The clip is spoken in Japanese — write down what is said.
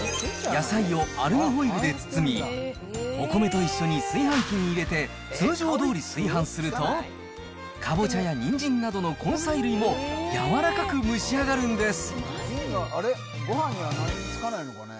野菜をアルミホイルで包み、お米と一緒に炊飯器に入れて、通常どおり炊飯すると、カボチャやニンジンなどの根菜類も、柔らかく蒸し上がるんです。